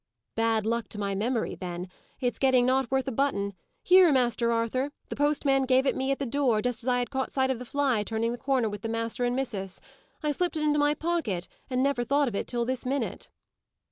"Bad luck to my memory, then! It's getting not worth a button. Here, Master Arthur. The postman gave it me at the door, just as I had caught sight of the fly turning the corner with the master and missis. I slipped it into my pocket, and never thought of it till this minute."